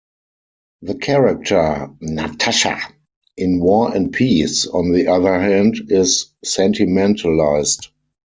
The character Natasha in "War and Peace", on the other hand, is sentimentalized.